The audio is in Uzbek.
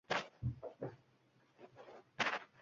Shu farq uchun